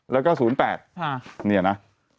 ๐๕๐๕แล้วก็๐๘ครับนี่เนี่ยน่ะ